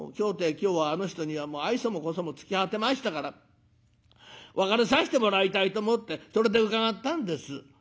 今日はあの人には愛想も小想も尽き果てましたから別れさしてもらいたいと思ってそれで伺ったんです」。